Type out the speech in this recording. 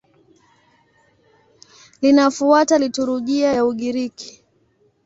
Linafuata liturujia ya Ugiriki.